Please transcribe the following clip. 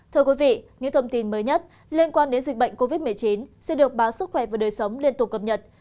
thưa quý vị những thông tin mới nhất liên quan đến dịch bệnh covid một mươi chín sẽ được báo sức khỏe và đời sống liên tục cập nhật